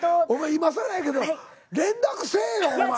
いまさらやけど連絡せえよお前。